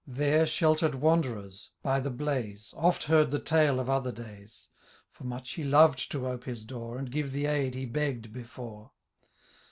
There shelter'd wanderers, by the blaz*» Oft heard the tale of other days ; For much he loved to ope his door. And give the aid he begg''d^)efore.